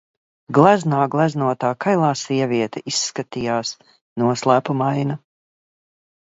Gleznā gleznotā kailā sieviete izskatījās noslēpumaina